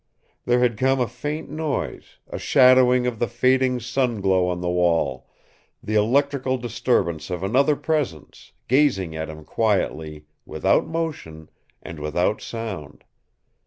There had come a faint noise, a shadowing of the fading sun glow on the wall, the electrical disturbance of another presence, gazing at him quietly, without motion, and without sound.